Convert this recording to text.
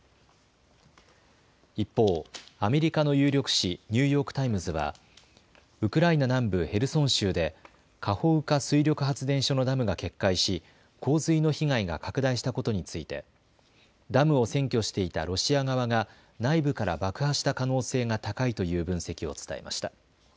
一方、アメリカの有力紙、ニューヨーク・タイムズはウクライナ南部ヘルソン州でカホウカ水力発電所のダムが決壊し、洪水の被害が拡大したことについてダムを占拠していたロシア側が内部から爆破した可能性が高いという分析を伝えました。